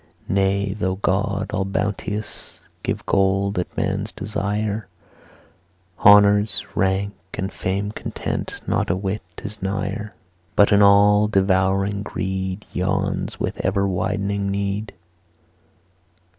Nay, though God, all bounteous, give Gold at man's desire Honours, rank, and fame content Not a whit is nigher; But an all devouring greed Yawns with ever widening need.